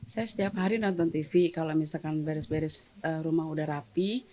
saya setiap hari nonton tv kalau misalkan beres beres rumah udah rapi